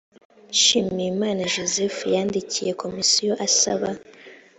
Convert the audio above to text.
nshimiyimana joseph yandikiye komisiyo asaba